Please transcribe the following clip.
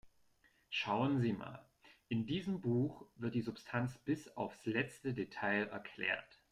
Schauen Sie mal, in diesem Buch wird die Substanz bis aufs letzte Detail erklärt.